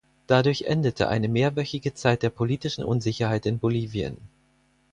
Dadurch endete eine mehrwöchige Zeit der politischen Unsicherheit in Bolivien.